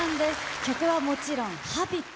曲はもちろん、Ｈａｂｉｔ。